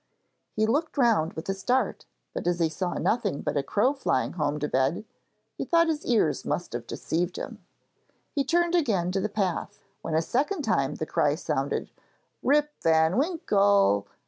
He looked round with a start, but as he saw nothing but a crow flying home to bed, he thought his ears must have deceived him. He turned again to the path, when a second time the cry sounded, 'Rip van Winkle!